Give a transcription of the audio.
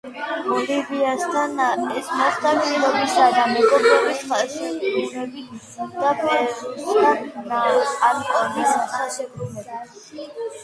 ბოლივიასთან ეს მოხდა მშვიდობისა და მეგობრობის ხელშეკრულებით და პერუსთან ანკონის ხელშეკრულებით.